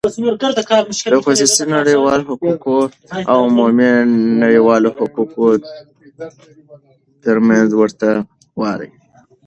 د خصوصی نړیوالو حقوقو او عمومی نړیوالو حقوقو تر منځ ورته والی :